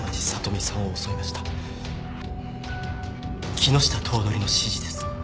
木下頭取の指示です。